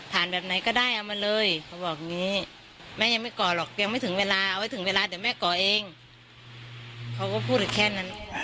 แบบไหนก็ได้เอามาเลยเขาบอกอย่างนี้แม่ยังไม่ก่อหรอกยังไม่ถึงเวลาเอาไว้ถึงเวลาเดี๋ยวแม่ก่อเองเขาก็พูดแค่นั้น